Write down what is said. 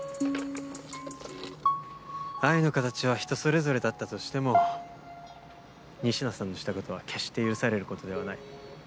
愛の形は人それぞれだったとしても仁科さんのしたことは決して許されることではない。